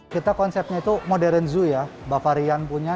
kita konsepnya itu modern zoo ya bavarian punya